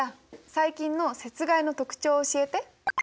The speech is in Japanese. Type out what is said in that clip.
最近の雪害の特徴を教えて。